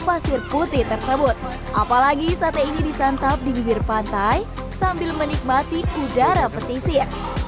pasir putih tersebut apalagi sate ini disantap di bibir pantai sambil menikmati udara pesisir